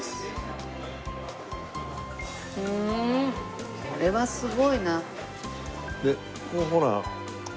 うんこれはすごいな。